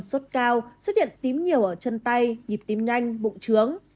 sốt cao xuất hiện tím nhiều ở chân tay nhịp tim nhanh bụng trướng